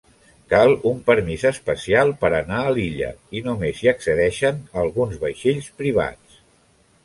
Cal un permís especial per anar a l'illa i només hi accedeixen alguns vaixells privats.